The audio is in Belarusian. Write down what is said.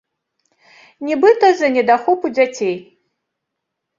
Нібыта, з-за недахопу дзяцей.